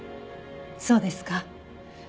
そうですか。